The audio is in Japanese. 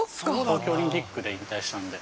◆東京オリンピックで引退したので。